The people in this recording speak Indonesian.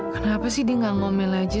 kenapa sih dia nggak ngomel aja